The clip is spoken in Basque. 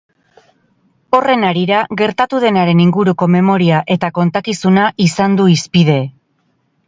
Horren harira, gertatu denaren inguruko memoria eta kontakizuna izan du hizpide.